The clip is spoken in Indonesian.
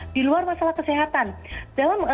di luar masalah kesehatan dalam